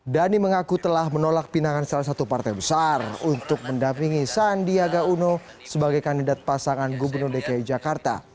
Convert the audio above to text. dhani mengaku telah menolak pinangan salah satu partai besar untuk mendampingi sandiaga uno sebagai kandidat pasangan gubernur dki jakarta